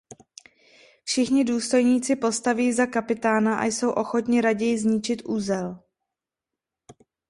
Všichni důstojníci postaví za kapitána a jsou ochotni raději zničit uzel.